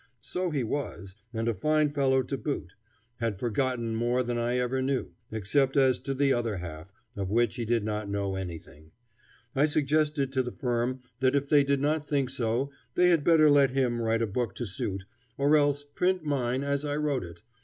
So he was, and a fine fellow to boot; had forgotten more than I ever knew, except as to the other half, of which he did not know anything. I suggested to the firm that if they did not think so, they had better let him write a book to suit, or else print mine as I wrote it.